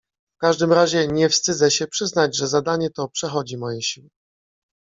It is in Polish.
"W każdym razie nie wstydzę się przyznać, że zadanie to przechodzi moje siły."